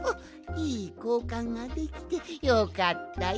いいこうかんができてよかったよかった！